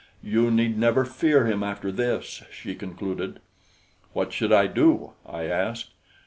"You need never fear him after this," she concluded. "What should I do?" I asked.